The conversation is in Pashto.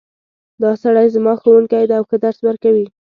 دا سړی زما ښوونکی ده او ښه درس ورکوی